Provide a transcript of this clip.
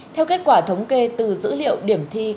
theo kết quả thống kê từ dữ liệu điểm thi